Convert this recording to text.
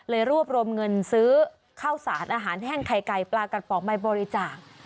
รวบรวมเงินซื้อข้าวสารอาหารแห้งไข่ไก่ปลากระป๋องใบบริจาค